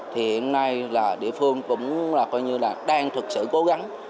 thì hiện nay là địa phương cũng là coi như là đang thực sự cố gắng